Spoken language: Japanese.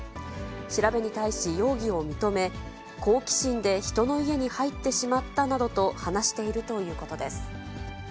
調べに対し容疑を認め、好奇心で人の家に入ってしまったなどと話しているということです。